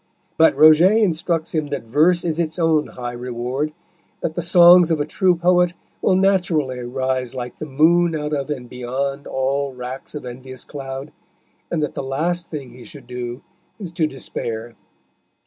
But Roget instructs him that Verse is its own high reward, that the songs of a true poet will naturally arise like the moon out of and beyond all racks of envious cloud, and that the last thing he should do is to despair.